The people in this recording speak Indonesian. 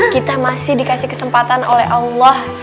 kita masih dikasih kesempatan oleh allah